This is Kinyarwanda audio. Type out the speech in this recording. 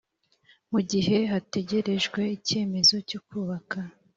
Mu gihe hategerejwe icyemezo cyo kubaka